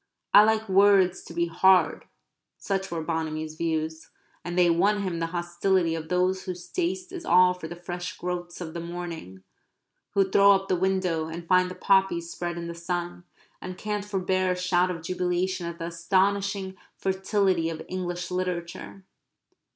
I like words to be hard such were Bonamy's views, and they won him the hostility of those whose taste is all for the fresh growths of the morning, who throw up the window, and find the poppies spread in the sun, and can't forbear a shout of jubilation at the astonishing fertility of English literature.